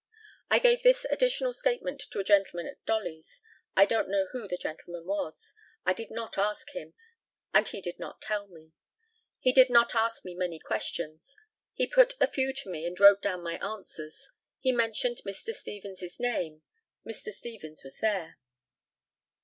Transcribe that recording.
I gave this additional statement to a gentleman at Dolly's. I don't know who the gentleman was. I did not ask him, and he did not tell me. He did not ask me many questions. He put a few to me and wrote down my answers. He mentioned Mr. Stevens' name. Mr. Stevens was there.